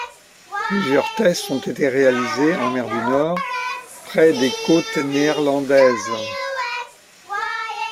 Plusieurs tests ont été réalisés en Mer du Nord, prés des cotes néerlandaises.